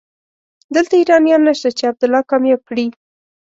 دلته ايرانيان نشته چې عبدالله کامياب کړي.